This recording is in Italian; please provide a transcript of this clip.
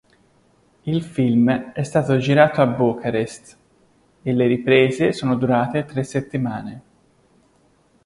Il film è stato girato a Bucarest, e le riprese sono durate tre settimane.